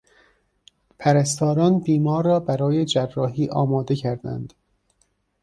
پرستاران بیمار را برای جراحی آماده کردند.